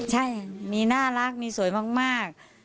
ใช่มีน่ารักมีสวยมาก